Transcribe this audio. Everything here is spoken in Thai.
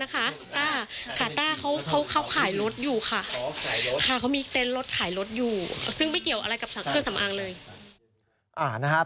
ซึ่งไม่เกี่ยวอะไรกับเครื่องสำอางเลย